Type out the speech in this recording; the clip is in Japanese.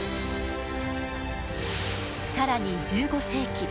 更に１５世紀